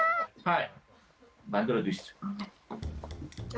はい。